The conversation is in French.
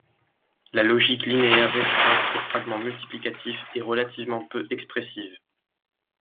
La logique linéaire restreinte au fragment multiplicatif est relativement peu expressive.